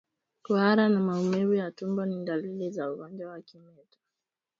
Kuhara na maumivu ya tumbo ni dalili za ugonjwa wa kimeta